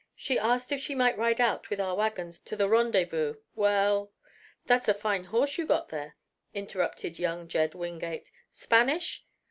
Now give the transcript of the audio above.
She asked if she might ride out with our wagons to the rendezvous. Well " "That's a fine horse you got there," interrupted young Jed Wingate. "Spanish?"